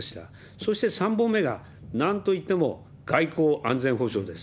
そして３本目が、なんといっても外交安全保障です。